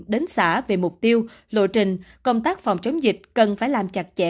đến xã về mục tiêu lộ trình công tác phòng chống dịch cần phải làm chặt chẽ